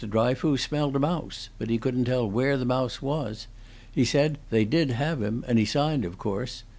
Dryfoos smelled a mouse, but he couldn't tell where the mouse was; he saw that they did have him, and he signed, of course.